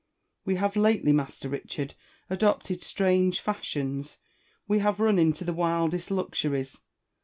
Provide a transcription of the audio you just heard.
We have lately. Master Richard, adopted strange fashions ; we have run into the wildest luxuries.